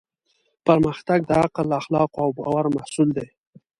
پرمختګ د عقل، اخلاقو او باور محصول دی.